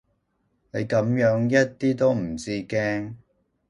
你噉樣一啲都唔知驚